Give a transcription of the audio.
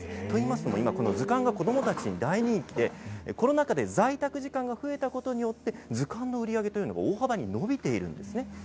といいますのも、今、図鑑が子どもたちに大人気で、コロナ禍で在宅時間が増えたことによって、図鑑の売り上げというのが大幅に伸びているんですね。